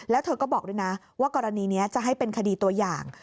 แล้วเธอก็บอกด้วยนะว่ากรณีนี้จะให้เป็นคดีตัวอย่าง